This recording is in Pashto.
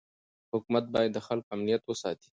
حکومت باید د خلکو امنیت وساتي.